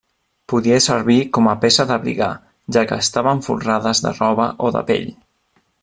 Podia servir com a peça d'abrigar, ja que estaven folrades de roba o de pell.